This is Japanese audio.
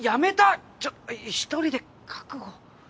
ちょいや１人で覚悟。